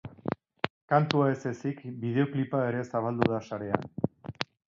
Kantua ez ezik, bideoklipa ere zabaldu da sarean.